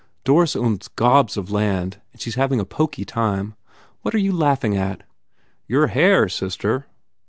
Doris owns gobs of land and she s having a poky time. What arc you laughing at?" "Your hair, sister."